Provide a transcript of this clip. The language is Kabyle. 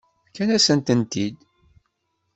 Fkant-asent-ten-id.